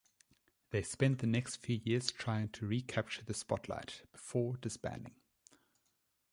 They spent the next few years trying to recapture the spotlight, before disbanding.